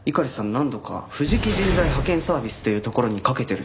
何度か藤木人材派遣サービスというところにかけてるんです。